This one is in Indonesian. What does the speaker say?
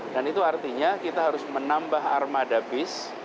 dan itu artinya kita harus menambah armada bis